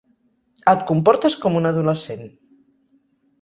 Et comportes com un adolescent.